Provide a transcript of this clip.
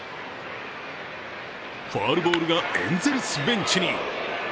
ファウルボールがエンゼルスベンチに。